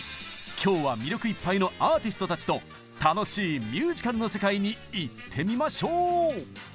今日は魅力いっぱいのアーティストたちと楽しいミュージカルの世界に行ってみましょう！